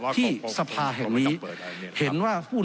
๒๓ปีสมศรีเท่าไหร่